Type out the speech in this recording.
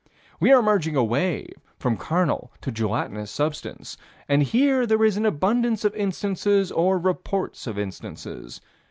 We are merging away from carnal to gelatinous substance, and here there is an abundance of instances or reports of instances.